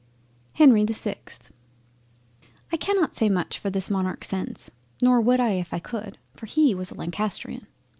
HENRY the 6th I cannot say much for this Monarch's sense. Nor would I if I could, for he was a Lancastrian.